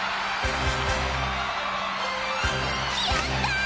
やったー！